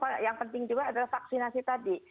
yang penting juga adalah vaksinasi tadi